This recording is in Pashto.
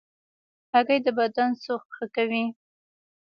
هګۍ د بدن سوخت ښه کوي.